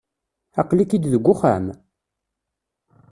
Aql-ik-id deg uxxam?